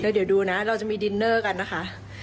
เดี๋ยวดูนะเราจะมีดินเนอร์กันนะคะ